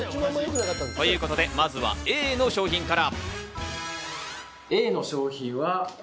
ということで、まずはＡの商品から。